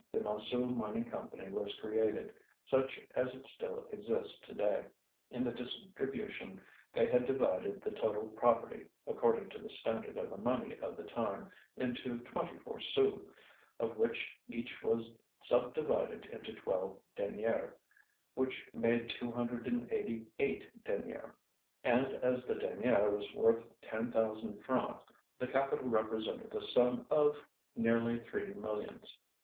The Montsou Mining Company was created, such as it still exists to day. In the distribution they had divided the total property, according to the standard of the money of the time, into twenty four sous, of which each was subdivided into twelve deniers, which made two hundred and eighty eight deniers; and as the denier was worth ten thousand francs the capital represented a sum of nearly three millions.